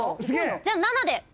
じゃあ７で。